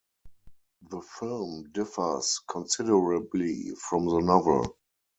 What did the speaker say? The film differs considerably from the novel.